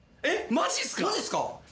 マジっすか？